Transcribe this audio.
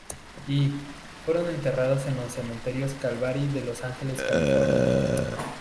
Y, fueron enterrados en el Cementerio Calvary de Los Ángeles, California.